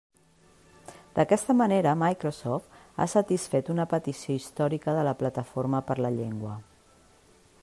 D'aquesta manera Microsoft ha satisfet una petició històrica de la Plataforma per la Llengua.